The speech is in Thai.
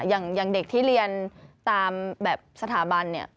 อย่างเด็กที่เรียนตามแบบสถาบันเนี่ย